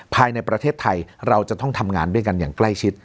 ภายในประเทศไทยเราจะต้องทำงานด้วยกันอย่างใกล้ชิด